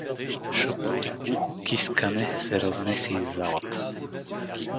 Шъпот и глухо кискане се разнесе из залата.